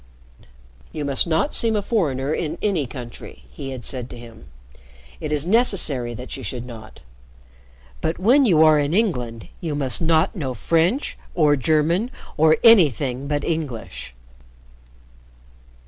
"You must not seem a foreigner in any country," he had said to him. "It is necessary that you should not. But when you are in England, you must not know French, or German, or anything but English."